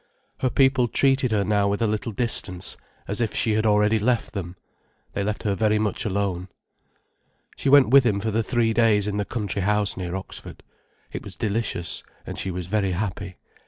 Her people treated her now with a little distance, as if she had already left them. They left her very much alone. She went with him for the three days in the country house near Oxford. It was delicious, and she was very happy.